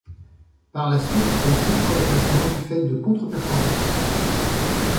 Par la suite, elle chutera au classement du fait de contre performances.